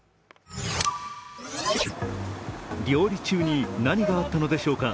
料理中に何があったのでしょうか。